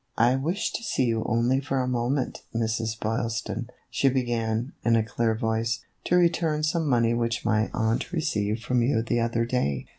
"I wished to see you only for a moment, Mrs. Boylston," she began, in a clear voice, "to return some money which my aunt received from you the other day.